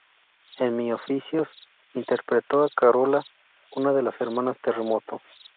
En "Mil oficios" interpretó a Carola, una de las "Hermanas terremoto".